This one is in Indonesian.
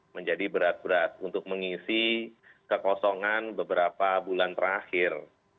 menjadi berat berat untuk mengisi kekosongan beberapa bulan terakhir